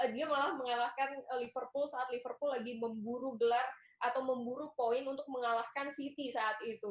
dia malah mengalahkan liverpool saat liverpool lagi memburu gelar atau memburu poin untuk mengalahkan city saat itu